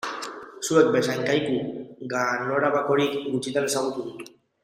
Zuek bezain kaiku ganorabakorik gutxitan ezagutu dut.